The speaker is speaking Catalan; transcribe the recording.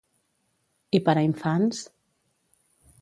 I per a infants?